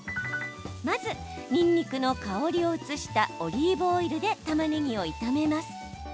まず、にんにくの香りを移したオリーブオイルでたまねぎを炒めます。